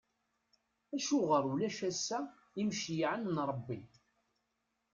Acuɣer ulac ass-a imceyyɛen n Ṛebbi?